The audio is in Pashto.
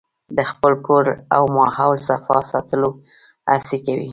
د خپل کور او ماحول صفا ساتلو هڅې کوي.